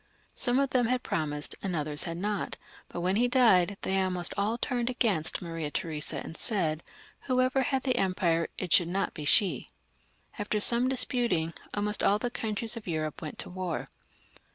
Some of them had promised and others had not, but when he died they almost all turned against Maria Theresa and said, whoever had the empire, it should not be she. After some disputing, almost all the countries of Europe went to war.